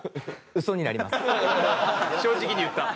正直に言った。